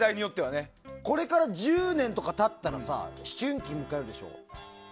これから１０年とか経ったらさ思春期迎えるでしょ。